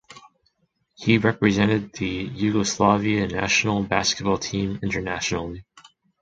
He represented the Yugoslavia national basketball team internationally.